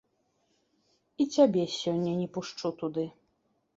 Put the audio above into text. І цябе сёння не пушчу туды.